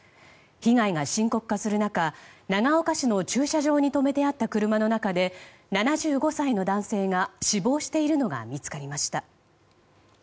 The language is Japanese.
被害が深刻化する中長岡市の駐車場に止めてあった車の中で７５歳の男性が死亡しているのが見つかりました。